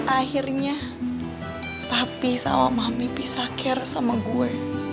akhirnya tapi sama mami bisa care sama gue